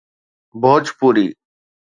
Bhojpuri